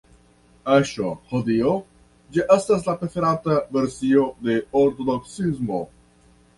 Eĉ hodiaŭ, ĝi estas la preferata versio de ortodoksismo.